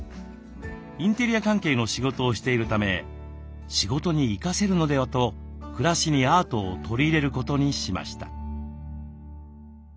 インテリア関係の仕事をしているため仕事に生かせるのではと暮らしにアートを取り入れることにしました。